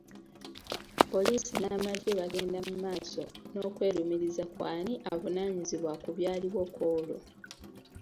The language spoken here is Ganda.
Poliisi n’amagye bagenda maaso n’okwerumiriza ku ani avunaanyizibwa ku byaliwo ku olwo.